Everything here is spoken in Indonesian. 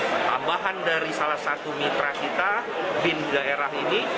tambahan dari salah satu mitra kita bin daerah ini